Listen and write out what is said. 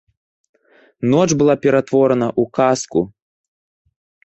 Ноч была ператворана ў казку.